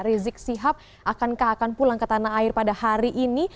rizik sihab akankah akan pulang ke tanah air pada hari ini